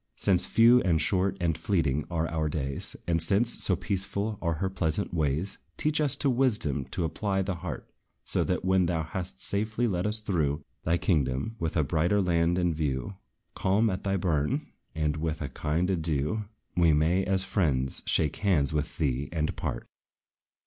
Since few, and short, and fleeting are our days; And since, so peaceful are her pleasant ways, Teach us to wisdom to apply the heart: So that, when thou hast safely led us through Thy kingdom, with a brighter land in view, Calm at thy bourn, and with a kind adieu, We may, as friends, shake hands with thee and part.